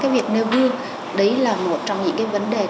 việc nêu gương đấy là một trong những vấn đề